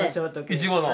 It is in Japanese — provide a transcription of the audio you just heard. イチゴの？